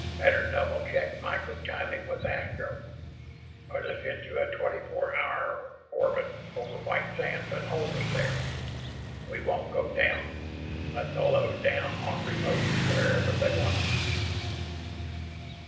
Better double check micro timing with Astro. Put us into a twenty four hour orbit over White Sands and hold us there. We won't go down. Let the load down on remote, wherever they want it."